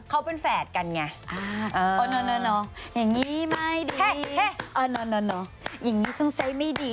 เขาเป็นแฝดกันไง